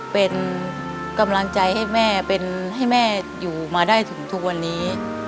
เป็นกำลังใจให้แม่ให้แม่อยู่มาได้ถึงทุกวันนี้